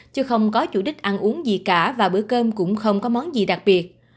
chứ không có chủ đích ăn uống gì cả và bữa cơm cũng không có món gì đặc biệt